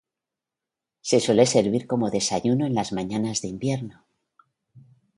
Se suele servir como desayuno en las mañanas de invierno.